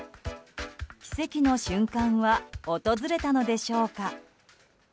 奇跡の瞬間は訪れたのでしょうか。